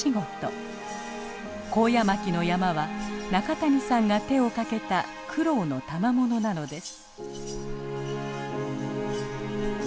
コウヤマキの山は中谷さんが手をかけた苦労のたまものなのです。